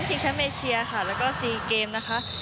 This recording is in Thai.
ถึงชั้นไปเชียร์ค่ะแล้วก็ซีเกมนะคะ